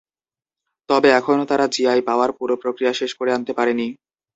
তবে এখনো তারা জিআই পাওয়ার পুরো প্রক্রিয়া শেষ করে আনতে পারেনি।